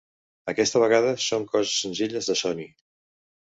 Aquesta vegada són coses senzilles de Sony.